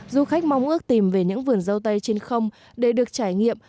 du khách mong ước tìm về những vườn dâu tây trên không để được trải nghiệm